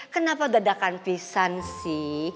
kenapa dadakan pisang sih